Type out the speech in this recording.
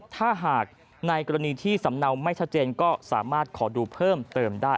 ถ้าหากในกรณีที่สำเนาไม่ชัดเจนก็สามารถขอดูเพิ่มเติมได้